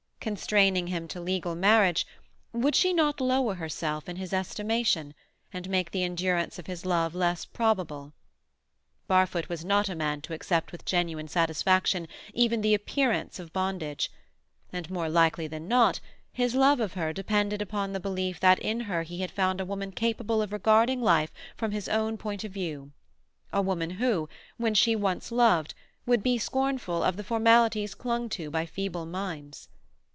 Constraining him to legal marriage, would she not lower herself in his estimation, and make the endurance of his love less probable? Barfoot was not a man to accept with genuine satisfaction even the appearance of bondage, and more likely than not his love of her depended upon the belief that in her he had found a woman capable of regarding life from his own point of view—a woman who, when she once loved, would be scornful of the formalities clung to by feeble minds.